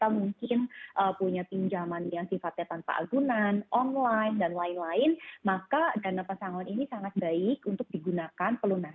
mungkin punya pinjaman yang sifatnya tanpa agunan online dan lain lain maka dana pesangon ini sangat baik untuk digunakan pelunas